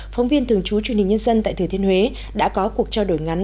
phóng viên thường trú truyền hình nhân dân tại thừa thiên huế đã có cuộc trao đổi ngắn